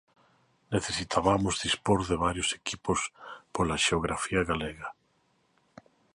Necesitabamos dispor de varios equipos pola xeografía galega.